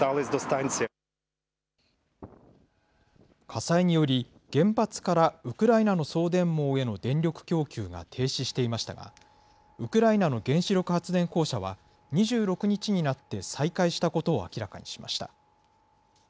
火災により、原発からウクライナの送電網への電力供給が停止していましたが、ウクライナの原子力発電公社は、２６日になって再開したことを明らかにしました。